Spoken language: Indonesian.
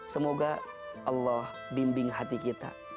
semoga allah bimbing hati kita